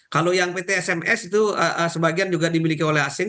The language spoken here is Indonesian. kalau yang pt sms itu sebagian juga dimiliki oleh asing